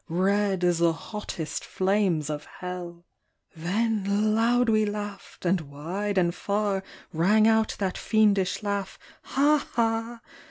Red as the hottest flames of hell ! Then loud we laughed, and wide and far Rang out that fiendish laugh, "Ha, ha